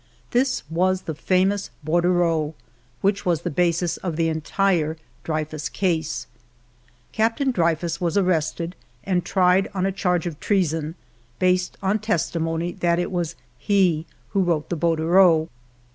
This was the famous bordereau which was the basis of the entire Dreyfus case. Captain Dreyfus was arrested and tried on a charge of treason, based on testimony that it was he who wrote the bor dereau.